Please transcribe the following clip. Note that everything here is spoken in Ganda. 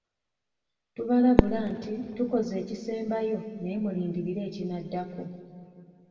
Tubalabula nti tukoze ekisembayo naye mulindirire ekinaddako.